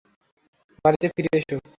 বাড়িতে ফিরে এসো।